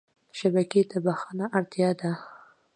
شبکې ته بښنه اړتیا ده.